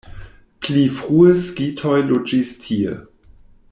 Pli frue skitoj loĝis tie.